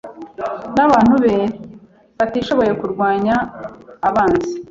nabantu be batishoboye kurwanya abanzi